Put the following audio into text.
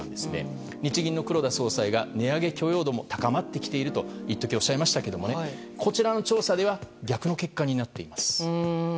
日銀の黒田総裁が値上げ許容度も高まってきていると一時おっしゃいましたがこちらの調査では逆の結果になっています。